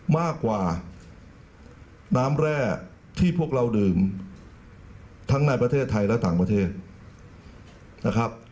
มากกว่าน้ำแร่ที่พวกเราดื่มทั้งในประเทศไทยและต่างประเทศนะครับ